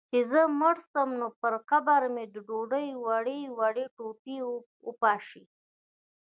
چي زه مړ سم، نو پر قبر مي د ډوډۍ وړې وړې ټوټې وپاشی